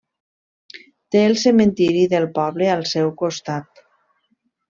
Té el cementiri del poble al seu costat.